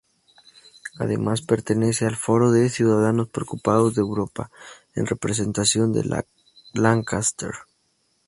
Además pertenece al "Foro de Ciudadanos Preocupados de Europa" en representación de Lancaster.